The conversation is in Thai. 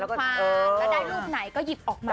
คว้าแล้วได้รูปไหนก็หยิบออกมา